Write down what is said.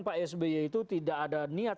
pak sby itu tidak ada niat